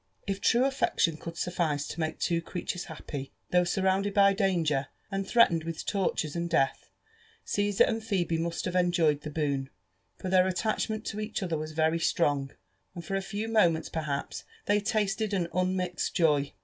If true affection could suffice to make two creatures happy though surrounded by danger and threatened with tortures and death, Caesar and Phebe must have enjoyed the boon, for their attachment to each other was very strong, and for a few moments perhaps they tasted an unmixed joy.